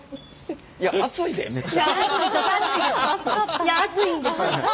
いや熱いんです。